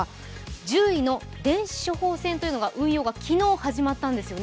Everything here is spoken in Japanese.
１０位の電子処方箋というのが運用が昨日始まったんですよね。